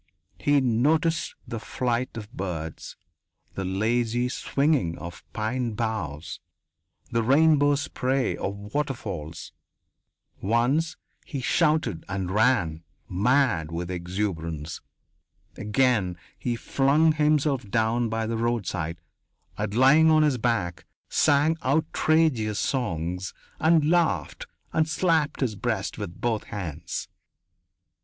He noticed the flight of birds, the lazy swinging of pine boughs, the rainbow spray of waterfalls. Once he shouted and ran, mad with exuberance. Again he flung himself down by the roadside and, lying on his back, sang outrageous songs and laughed and slapped his breast with both hands.